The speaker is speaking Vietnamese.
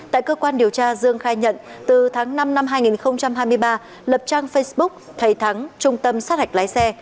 tại cơ quan điều tra dương khai nhận từ tháng năm năm hai nghìn hai mươi ba lập trang facebook thầy thắng trung tâm sát hạch lái xe